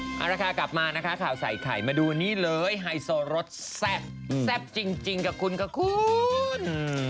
เอาละค่ะกลับมานะคะข่าวใส่ไข่มาดูนี่เลยไฮโซรสแซ่บแซ่บจริงกับคุณค่ะคุณ